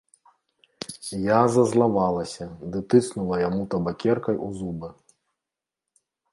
Я зазлавалася ды тыцнула яму табакеркай у зубы.